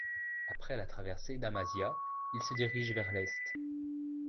Après la traversée d'Amasya il se dirige vers l'est.